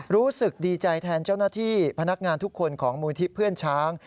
รู้สึกดีใจแทนเจ้าหน้าที่พนักงานทุกคนของมูลที่เพื่อนช้าง